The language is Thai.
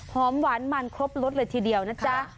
หอมหวานมันครบรสเลยทีเดียวนะจ๊ะ